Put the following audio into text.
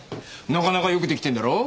なかなかよく出来てるだろ？